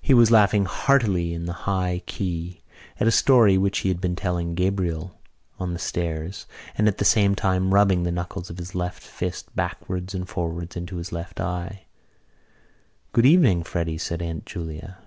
He was laughing heartily in a high key at a story which he had been telling Gabriel on the stairs and at the same time rubbing the knuckles of his left fist backwards and forwards into his left eye. "Good evening, Freddy," said Aunt Julia.